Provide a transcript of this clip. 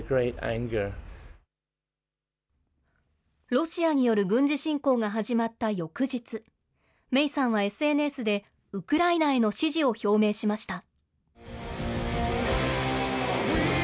ロシアによる軍事侵攻が始まった翌日、メイさんはＳＮＳで、ウクライナへの支持を表明しました。